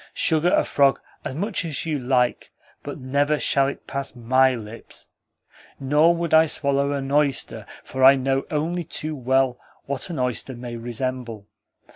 Sugar a frog as much as you like, but never shall it pass MY lips. Nor would I swallow an oyster, for I know only too well what an oyster may resemble.